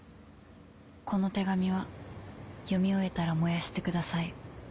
「この手紙は読み終えたら燃やしてください。